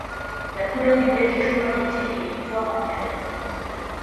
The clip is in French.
La couleur du bec est jaune en été et ivoire en hiver.